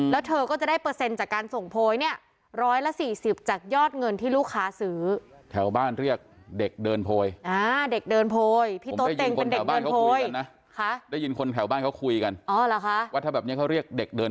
แล้วเธอก็จะได้เปอร์เซ็นต์จากการส่งพวย